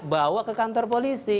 bawa ke kantor polisi